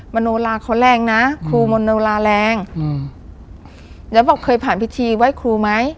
มโนลาเขาแรงนะครูมนโนลาแรงอืมแล้วบอกเคยผ่านพิธีไหว้ครูไหม